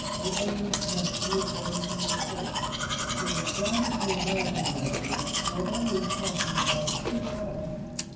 "They always cast you according to your face. They're as bad as the American managers, who are always talking about 'the type.